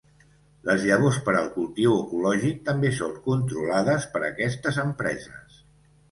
Les llavors per al cultiu ecològic també són controlades per aquestes empreses.